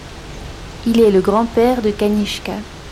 Il est le grand-père de Kanishka.